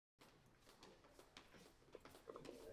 Yarim kechada payt poylab turibdi